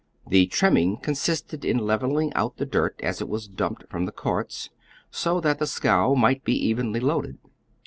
Tiie trimming consisted in levelling out the dirt as it was dumped from the carts, so that the scow might be evenly loaded.